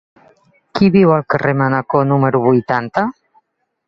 Qui viu al carrer de Manacor número vuitanta?